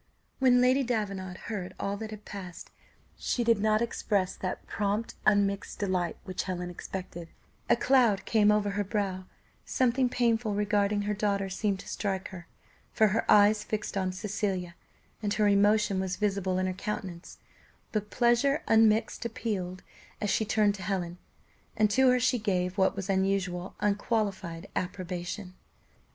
When Lady Davenant heard all that had passed, she did not express that prompt unmixed delight which Helen expected; a cloud came over her brow, something painful regarding her daughter seemed to strike her, for her eyes fixed on Cecilia, and her emotion was visible in her countenance; but pleasure unmixed appealed as she turned to Helen, and to her she gave, what was unusual, unqualified approbation.